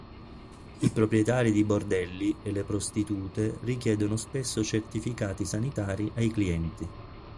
I proprietari di bordelli e le prostitute richiedono spesso certificati sanitari ai clienti.